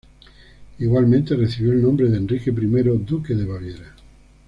Igualmente recibió el nombre de Enrique I duque de Baviera.